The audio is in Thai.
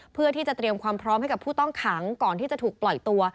เพื่อที่จะเตรียมความพร้อมให้กับผู้ต้องขังก่อนที่จะถูกปล่อยตัว